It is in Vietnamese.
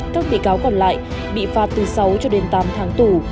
các bị cáo còn lại bị phạt từ sáu cho đến tám tháng tù